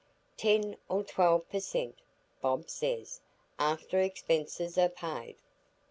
"Ten or twelve per cent, Bob says, after expenses are paid."